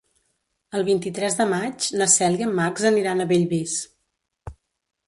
El vint-i-tres de maig na Cel i en Max aniran a Bellvís.